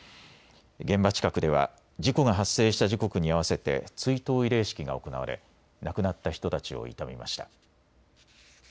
現場近くでは事故が発生した時刻に合わせて追悼慰霊式が行われ亡くなった人たちを悼みました。